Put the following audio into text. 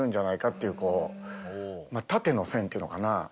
縦の線っていうのかな。